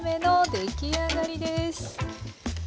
出来上がりです。